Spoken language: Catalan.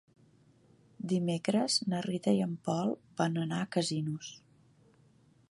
Dimecres na Rita i en Pol van a Casinos.